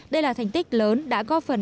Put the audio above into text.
đây là thành tích lớn đã góp phần